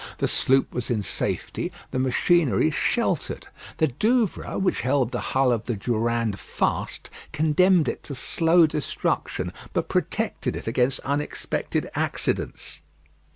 The sloop was in safety; the machinery sheltered. The Douvres, which held the hull of the Durande fast, condemned it to slow destruction, but protected it against unexpected accidents.